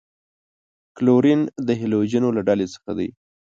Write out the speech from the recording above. کلورین د هلوجنو له ډلې څخه دی.